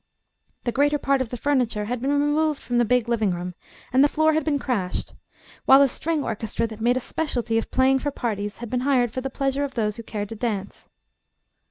The greater part of the furniture had been removed from the big living room and the floor had been crashed; while a string orchestra that made a specialty of playing for parties had been hired for the pleasure of those who cared to dance.